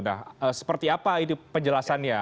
nah seperti apa ini penjelasannya